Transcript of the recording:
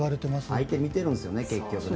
相手を見てるんですよね。